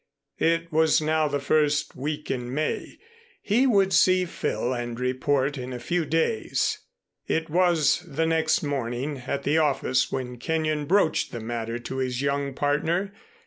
It was now the first week in May. He would see Phil and report in a few days. It was the next morning at the office when Kenyon broached the matter to his young partner.